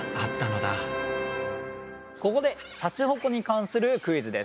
ここでシャチホコに関するクイズです。